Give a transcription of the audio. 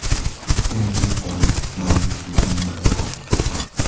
سامي يقضي حكما بالسّجن المؤبّد.